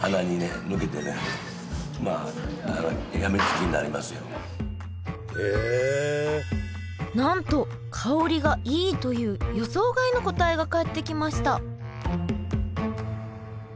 気になるなんと香りがいいという予想外の答えが返ってきました